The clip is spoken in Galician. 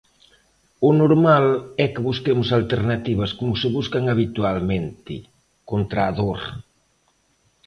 O normal é que busquemos alternativas como se buscan habitualmente, contra a dor.